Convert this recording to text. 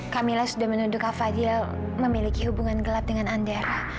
kamilah sudah menuduh kak fadil memiliki hubungan gelap dengan anda